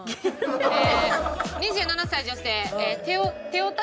２７歳女性。